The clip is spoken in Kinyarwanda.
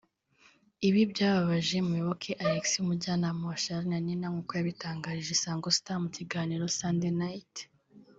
Ibi byababaje Muyoboke Alex umujyanama wa Charly na Nina nkuko yabitangarije Isango Star mu kiganiro Sunday Night